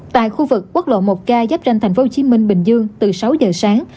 tại khu vực quốc lộ một k giáp ranh tp hcm bình dương từ sáu giờ sáng